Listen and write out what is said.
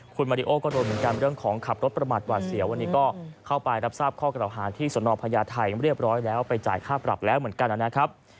คุณมาริโอก็โดนเหมือนกันเรื่องของขับรถประมาทหวาดเสียววันนี้ก็เข้าไปรับทราบข้อกระดาหาที่สนพญาไทยเรียบร้อยแล้วไปจ่ายค่าปรับแล้วเหมือนกันนะครับ